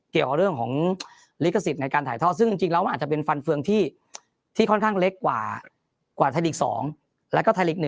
เกี่ยวกับเรื่องของลิขสิทธิ์ในการถ่ายทอดซึ่งจริงแล้วมันอาจจะเป็นฟันเฟืองที่ค่อนข้างเล็กกว่าไทยลีก๒แล้วก็ไทยลีก๑